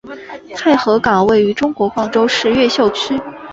太和岗位于中国广州市越秀区。